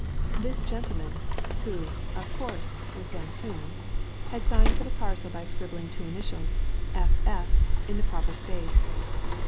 This gentleman who, of course, was Van Koon had signed for the parcel by scribbling two initials 'F. F.' in the proper space.